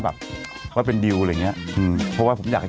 ว่าไม่ค่อนข้างที่